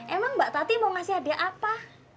emang mbak tati mau ngasih hadiah apa